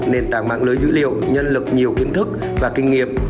nền tảng mạng lưới dữ liệu nhân lực nhiều kiến thức và kinh nghiệm